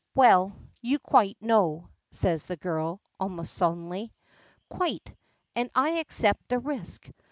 "Well you quite know," says the girl, almost sullenly. "Quite. And I accept the risk.